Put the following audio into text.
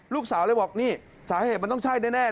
ลูกสาวเลยบอกนี่สาเหตุมันต้องใช่แน่